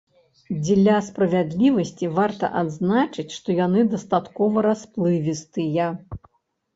Дзеля справядлівасці, варта адзначыць, што яны дастаткова расплывістыя.